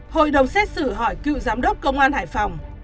hội đồng xét xử hỏi cựu giám đốc công an hải phòng